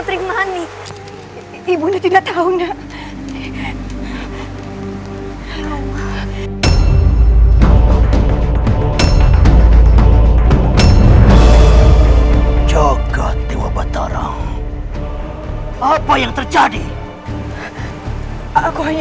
sampai jumpa di video selanjutnya